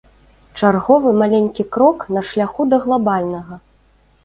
Чарговы маленькі крок на шляху да глабальнага.